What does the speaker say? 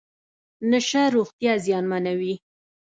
نشه روغتیا زیانمنوي .